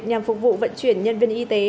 nhằm phục vụ vận chuyển nhân viên y tế